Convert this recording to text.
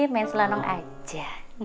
main selanung aja